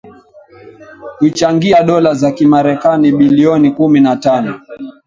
kuichangia dola za kimarekani bilioni kumi na tano